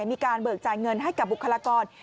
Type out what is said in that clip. มีการเบิกจ่ายเงินให้กับบุคลากร